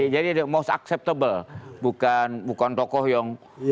jadi the most acceptable bukan tokoh yang